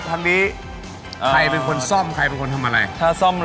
โชคความแม่นแทนนุ่มในศึกที่๒กันแล้วล่ะครับ